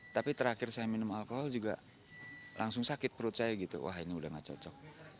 tapi terakhir saya minum alkohol juga langsung sakit perut saya gitu wah ini udah gak cocok